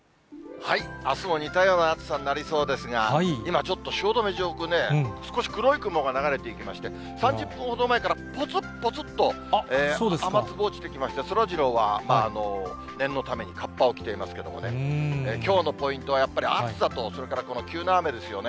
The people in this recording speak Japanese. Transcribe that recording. あすも似たような暑さになりそうですが、今、ちょっと汐留上空ね、少し黒い雲が流れていきまして、３０分ほど前からぽつっぽつっと雨粒落ちてきて、そらジローは念のためにかっぱを着ていますけれどもね、きょうのポイントは、やっぱり暑さと、それからこの急な雨ですよね。